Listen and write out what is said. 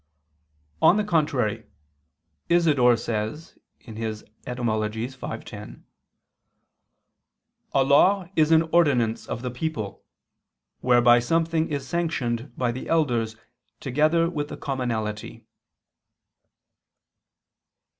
On the contrary, Isidore says (Etym. v, 10): "A law is an ordinance of the people, whereby something is sanctioned by the Elders together with the Commonalty."